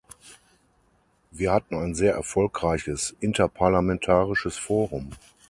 Wir hatten ein sehr erfolgreiches interparlamentarisches Forum.